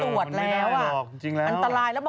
เห็นเขาตรวจแล้วอ่ะอันตรายแล้ว